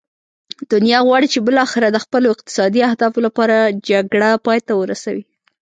دنیا غواړي چې بالاخره د خپلو اقتصادي اهدافو لپاره جګړه پای ته ورسوي.